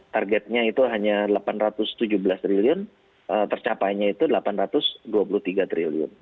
targetnya itu hanya rp delapan ratus tujuh belas triliun tercapainya itu rp delapan ratus dua puluh tiga triliun